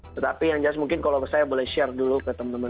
tetapi yang jelas mungkin kalau saya boleh share dulu ke teman teman